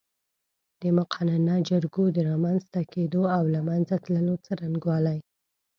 د مقننه جرګو د رامنځ ته کېدو او له منځه تللو څرنګوالی